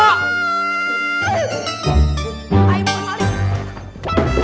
ayah mau maling